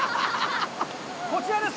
こちらです。